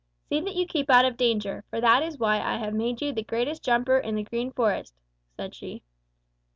'See that you keep out of danger, for that is why I have made you the greatest jumper in the Green Forest,' said she.